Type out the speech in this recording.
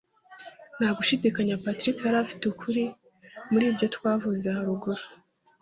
Nta gushidikanya patrick yari afite ukuri muri ibyo twavuze haruguru,